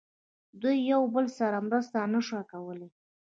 دوی یو له بل سره مرسته نه شوه کولای.